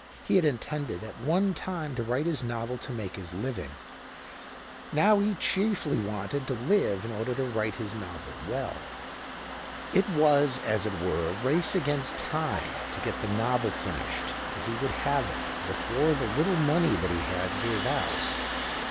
He had intended at one time to write his novel to make his living ; now he chiefly wanted to live in order to write his novel well. It was, as it were, a race against time, to get the novel finished as he would have it before the little money that he had gave out.